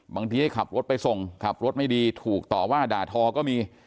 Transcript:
ให้ขับรถไปส่งขับรถไม่ดีถูกต่อว่าด่าทอก็มี